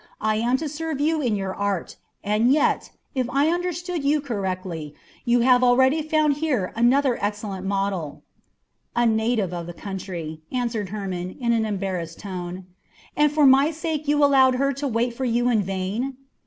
I am to serve you in your art, and yet, if I understood you correctly, you have already found here another excellent model." "A native of the country," answered Hermon in an embarrassed tone. "And for my sake you allowed her to wait for you in vain?"